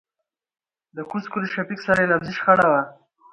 دکوز کلي شفيق سره يې لفظي شخړه وه .